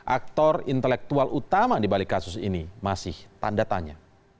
aktor intelektual utama di balik kasus ini masih tanda tanya